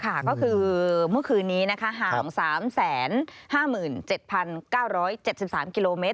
ก็คือเมื่อคืนนี้นะคะห่าง๓๕๗๙๗๓กิโลเมตร